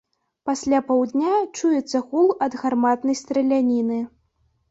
Пасля паўдня чуецца гул ад гарматнай страляніны.